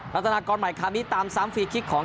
ลัฒนากรใหม่คราวนี้ตาม๓ฟรีคิกของ